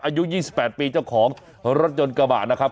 อายุ๒๘ปีเจ้าของรถยนต์กระบาดนะครับ